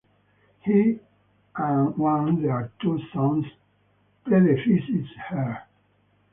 He and one their two sons predeceased her.